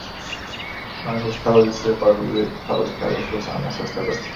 მან რუსთაველის სიყვარული თავის ქალიშვილს ანასაც გადასცა.